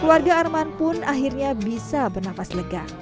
keluarga arman pun akhirnya bisa bernapas lega